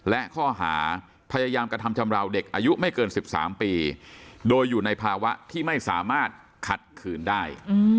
และข้อหาพยายามกระทำชำราวเด็กอายุไม่เกิน๑๓ปีโดยอยู่ในภาวะที่ไม่สามารถขัดขืนได้